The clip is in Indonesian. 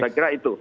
saya kira itu